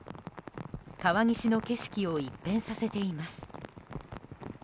川岸の景色を一変させています。